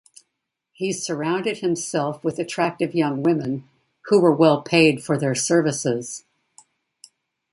He surrounded himself with attractive young women, who were well paid for their services.